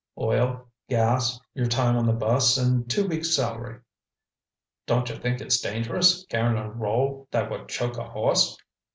"Oil, gas, your time on the bus and two weeks' salary." "Don't you think it's dangerous, carrying a roll that would choke a horse?"